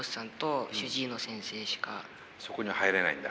そこに入れないんだ。